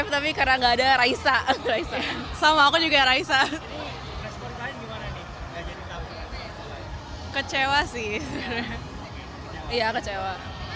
seribu sembilan ratus tujuh puluh lima tapi karena enggak ada raisa sama aku juga raisa kecewa sih iya kecewa